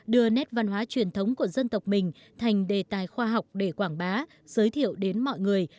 đưa nét văn hóa truyền thống của dân tộc mình thành đề tài khoa học để quảng bá giới thiệu đến mọi người